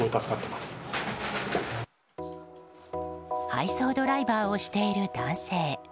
配送ドライバーをしている男性。